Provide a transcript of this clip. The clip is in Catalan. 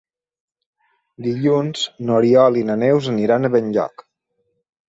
Dilluns n'Oriol i na Neus aniran a Benlloc.